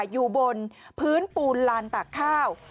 อยู่บนพื้นปูนลานตากข้าว